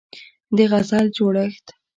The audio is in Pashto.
د غزل جوړښت